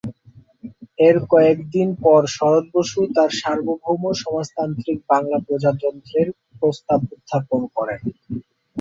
এর কয়েকদিন পর শরৎ বসু তাঁর সার্বভৌম সমাজতান্ত্রিক বাংলা প্রজাতন্ত্রের প্রস্তাব উত্থাপন করেন।